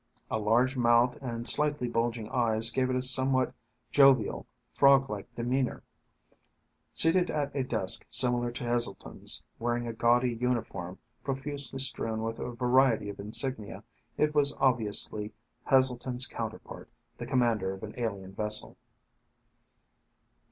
A large mouth and slightly bulging eyes gave it a somewhat jovial, frog like demeanor. Seated at a desk similar to Heselton's, wearing a gaudy uniform profusely strewn with a variety of insignia, it was obviously Heselton's counterpart, the commander of an alien vessel.